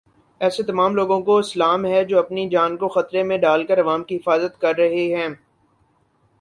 ایسے تمام لوگوں کو سلام ہے جو اپنی جان کو خطرے میں ڈال کر عوام کی حفاظت کر رہے ہیں۔